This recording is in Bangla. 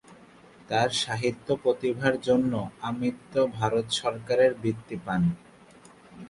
তার সাহিত্য প্রতিভার জন্য আমৃত্যু ভারত সরকারের বৃত্তি পান।